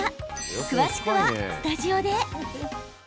詳しくはスタジオで。